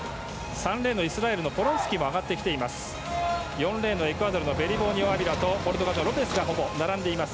３レーン、イスラエルのポロンスキーも上がってきた。